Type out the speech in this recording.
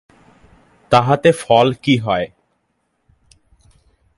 তাহাতে ফল কী হয়।